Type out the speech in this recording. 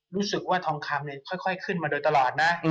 รู้สึกว่าทองคำค่อยขึ้นมาโดยตลอดนะ